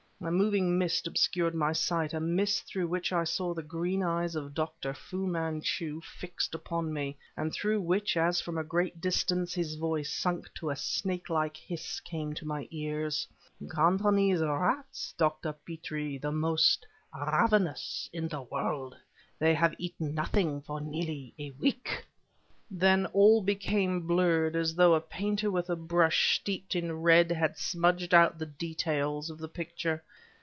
A moving mist obscured my sight, a mist through which I saw the green eyes of Dr. Fu Manchu fixed upon me, and through which, as from a great distance, his voice, sunk to a snake like hiss, came to my ears. "Cantonese rats, Dr. Petrie, the most ravenous in the world... they have eaten nothing for nearly a week!" Then all became blurred as though a painter with a brush steeped in red had smudged out the details of the picture.